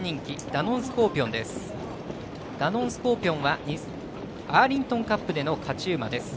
ダノンスコーピオンはアーリントンカップでの勝ち馬です。